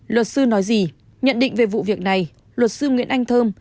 luật sư nói gì nhận định về vụ việc này luật sư nguyễn anh thơm